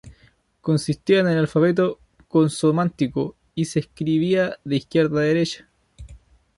Consistía en un alfabeto consonántico y se escribía de izquierda a derecha.